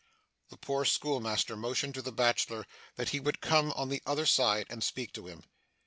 The poor schoolmaster motioned to the bachelor that he would come on the other side, and speak to him.